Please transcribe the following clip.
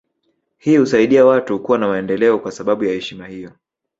Hii husaidia watu kuwa na maendeleo kwa sababu ya heshima hiyo